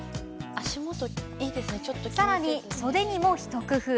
さらに、袖にも一工夫。